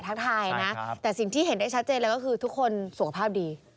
ทักทายนะแต่สิ่งที่เห็นได้ชัดเจนเลยก็คือทุกคนสุขภาพดี